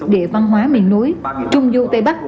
địa văn hóa miền núi trung du tây bắc